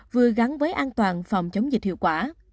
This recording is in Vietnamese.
vừa gắn với an toàn phòng chống dịch hiệu quả